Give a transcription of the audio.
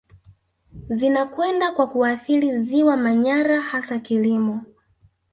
Zinakwenda kwa kuathiri ziwa Manyara hasa kilimo